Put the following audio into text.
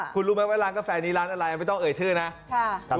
คุณรู้ไหมว่าร้านกาแฟนี้ร้านอะไรไม่ต้องเอ่ยชื่อนะ